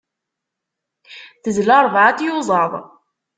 Tezla ṛebɛa n tyuẓaḍ.